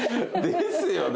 ですよね。